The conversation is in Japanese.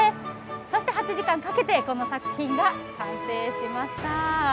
そして８時間かけて、この作品が完成しました。